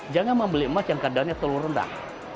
jangan membeli emas yang kadarnya terlalu rendah